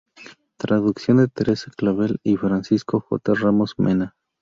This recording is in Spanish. Traducción de Teresa Clavel y Francisco J. Ramos Mena.